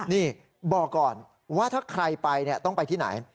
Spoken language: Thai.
นี่บอกก่อนว่าถ้าใครไปต้องไปที่ไหน